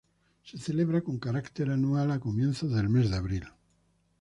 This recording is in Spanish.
Se celebra con carácter anual, a comienzos del mes de abril.